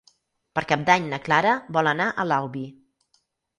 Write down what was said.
Per Cap d'Any na Clara vol anar a l'Albi.